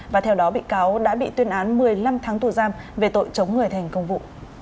và theo đó bị cáo đã bị tuyên án một mươi năm tháng tù giam về tội chống người thành công vụ